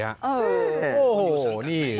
โอ้โหนี่